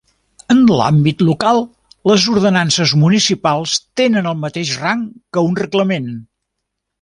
En l'àmbit local, les ordenances municipals tenen el mateix rang que un reglament.